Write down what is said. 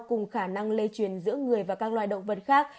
cùng khả năng lây truyền giữa người và các loài động vật khác